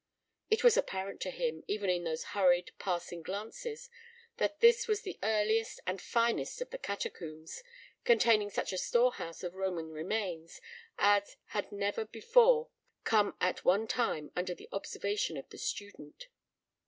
It was apparent to him, even in those hurried, passing glances, that this was the earliest and finest of the catacombs, containing such a storehouse of Roman remains as had never before come at one time under the observation of the student.